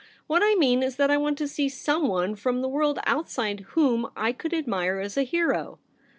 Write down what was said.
What I mean is that I want to see someone from the world outside whom I could admire as a hero.'